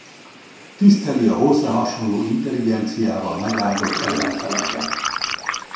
Tiszteli a hozzá hasonló intelligenciával megáldott ellen feleket.